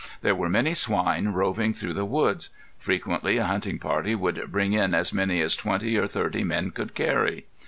There were many swine roving through the woods. Frequently a hunting party would bring in as many as twenty or thirty men could carry.